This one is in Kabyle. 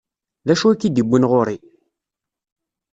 D acu i k-id-iwwin ɣur-i?